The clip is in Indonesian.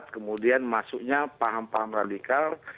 kemudian masuknya paham paham radikal